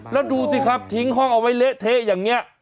แล้วดูสิครับทิ้งห้องเอาไว้เละเทะอย่างนี้